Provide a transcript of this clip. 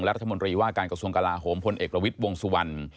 รัฐมนตรีว่าการกระทรวงกลาโหมพลเอกประวิทย์วงสุวรรณ